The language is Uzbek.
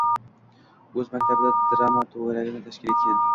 O‘z maktabida drama to‘garagini tashkil etgan